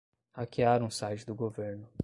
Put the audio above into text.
Hackearam o site do governo